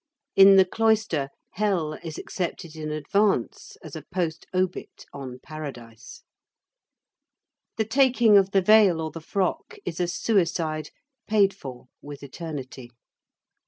In the cloister, hell is accepted in advance as a post obit on paradise. The taking of the veil or the frock is a suicide paid for with eternity.